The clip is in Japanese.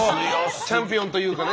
チャンピオンというかね。